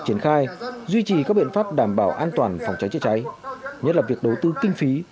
chỉ các biện pháp đảm bảo an toàn phòng cháy chữa cháy nhất là việc đầu tư kinh phí